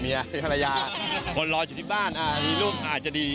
มีภรรยาคนรออยู่ที่บ้านมีลูกอาจจะดี